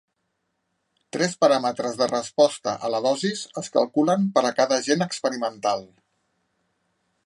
Tres paràmetres de resposta a la dosis es calculen per a cada agent experimental.